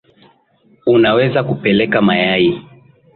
Unaweza kupeleka mayai